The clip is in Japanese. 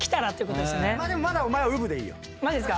でもまだお前はうぶでいいよ。